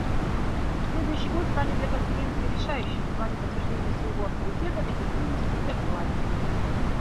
Следующий год станет для Конференции решающим в плане подтверждения своего авторитета, эффективности и актуальности.